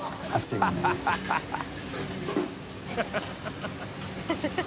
ハハハ